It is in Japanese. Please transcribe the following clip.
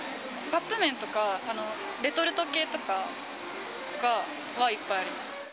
カップ麺とか、レトルト系とかがいっぱいあります。